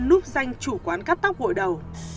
núp danh chủ quán cắt tóc gội đầu